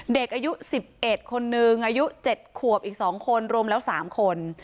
เด็กอายุ๑๑คนนึงอายุ๗ขวบอีก๒คนรวมแล้ว๓คน